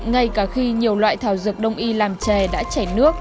ngay cả khi nhiều loại thảo dược đông y làm chè đã chảy nước